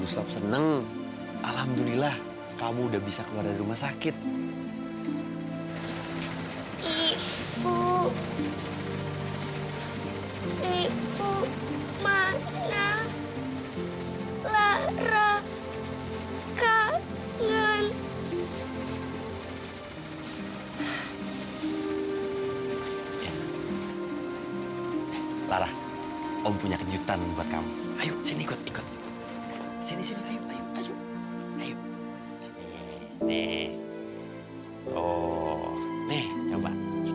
sampai jumpa di video selanjutnya